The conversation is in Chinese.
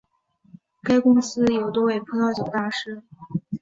该公司有多位葡萄酒大师。